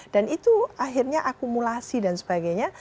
dan itu akhirnya akumulasi dan sebagainya